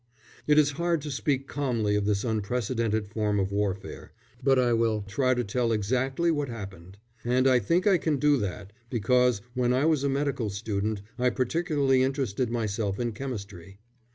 It is hard to speak calmly of this unprecedented form of warfare, but I will try to tell exactly what happened, and I think I can do that, because when I was a medical student I particularly interested myself in chemistry.